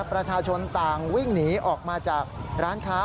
ประชาชนต่างวิ่งหนีออกมาจากร้านค้า